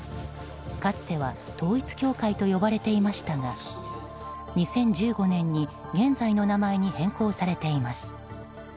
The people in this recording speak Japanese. かつては統一教会と呼ばれていましたが２０１５年に現在の名前に変更されています。